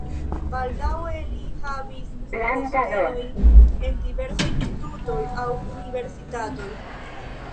Baldaŭe li havis postenojn en diversaj institutoj aŭ universitatoj.